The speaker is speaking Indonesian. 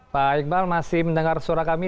pak iqbal masih mendengar suara kami